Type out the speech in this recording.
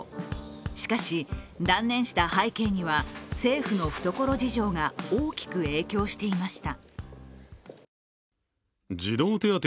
しかし、断念した背景には政府の懐事情が大きく影響していました。